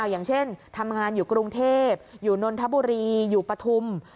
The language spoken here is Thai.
อย่างเช่นทำงานอยู่กรุงเทพอยู่นนทบุรีอยู่ปฐุม